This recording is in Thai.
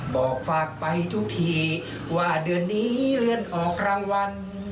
บอกฝากไปทุกทีว่าเดือนนี้เลื่อนออกรางวัล